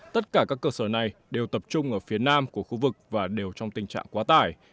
tất cả các cơ sở này đều tập trung ở phía nam của khu vực và đều trong tình trạng quá tải